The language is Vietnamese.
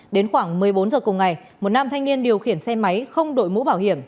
đến khoảng một mươi bốn h cùng ngày một nam thanh niên điều khiển xe máy không đội mũ bảo hiểm